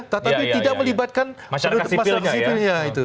tetapi tidak melibatkan masyarakat sipilnya